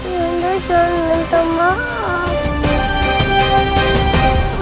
yunda jangan minta maaf